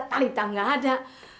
talita gak ada